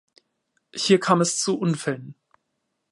Hier kam es zu Unfällen.